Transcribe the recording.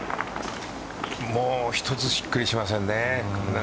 もう一つしっくりしませんね。